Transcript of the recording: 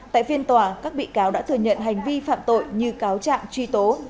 tại phiên tòa các bị cáo đã thừa nhận hành vi phạm tội như cáo trạng truy tố